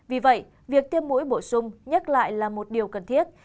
vì vậy việc tiêm mũi bổ sung nhắc lại là một điều cần thiết